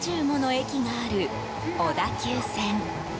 駅がある小田急線。